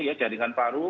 ya jadikan paru